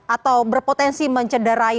atau berpotensi mencederai